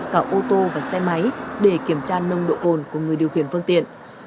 cả ô tô và xe máy để kiểm tra nồng độ cồn của người điều khiển phương tiện